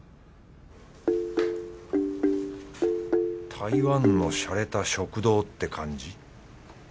台湾のシャレた食堂って感じ